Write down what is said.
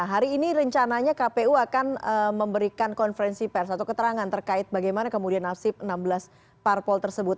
hari ini rencananya kpu akan memberikan konferensi pers atau keterangan terkait bagaimana kemudian nasib enam belas parpol tersebut